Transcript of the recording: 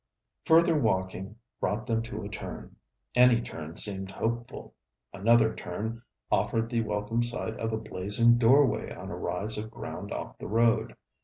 Further walking brought them to a turn. Any turn seemed hopeful. Another turn offered the welcome sight of a blazing doorway on a rise of ground off the road.